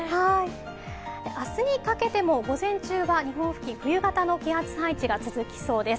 明日にかけても午前中は日本付近、冬型の気圧配置が続きそうです。